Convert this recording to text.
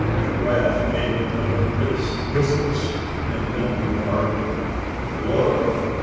Giraffe gave one of his whistles, and then remarked: "Glory!